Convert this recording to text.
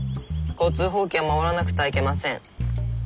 交通法規は守らなくてはいけません。